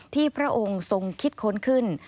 พระองค์ทรงคิดค้นขึ้น